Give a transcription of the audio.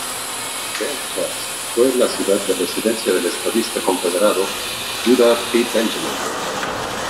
Belle Chasse fue la ciudad de residencia del Estadista Confederado Judah P. Benjamin.